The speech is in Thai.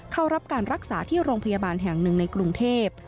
เข้ารับการรักษาที่โรงพยาบาลแห่งหนึ่งในกรุงเทพ